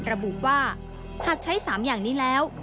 ระบุว่าหากใช้๓อย่างนี้แล้ว